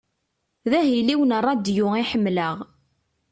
D ahil-iw n ṛadyu i ḥemleɣ.